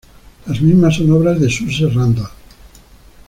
Las mismas son obra de Suze Randall.